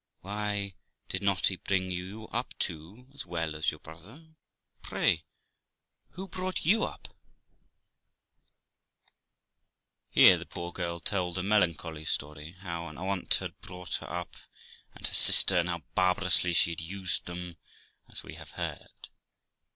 'Why, did not he bring you up too, as well as your brother ? Pray who brought you up, then ?' Here the poor girl told a melancholy story, how an aunt had brought up her and her sister, and how barbarously she had used them, as we have heard.